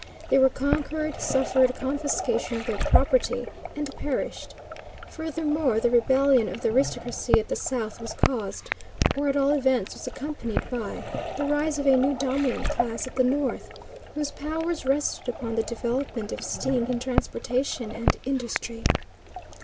They were conquered, suffered confiscation of their property, and perished. Furthermore, the rebellion of the aristocracy at the South was caused, or at all events was accompanied by, the rise of a new dominant class at the North, whose power rested upon the development of steam in transportation and industry.